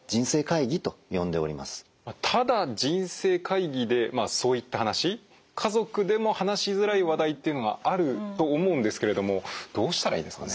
ただ人生会議でそういった話家族でも話しづらい話題っていうのがあると思うんですけれどもどうしたらいいですかね？